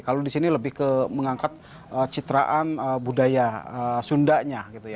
kalau di sini lebih ke mengangkat citraan budaya sundanya